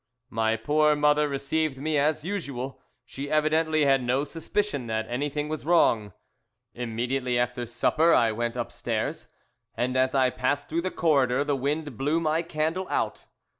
"My poor mother received me as usual. She evidently had no suspicion that anything was wrong. "Immediately after supper, I went upstairs, and as I passed through the corridor the wind blew my candle out.